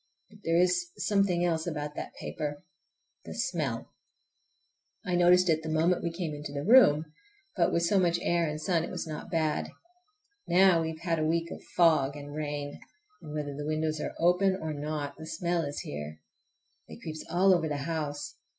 But there is something else about that paper—the smell! I noticed it the moment we came into the room, but with so much air and sun it was not bad. Now we have had a week of fog and rain, and whether the windows are open or not, the smell is here. It creeps all over the house.